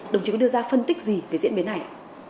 đồng chí có đưa ra phân tích gì về diễn biến này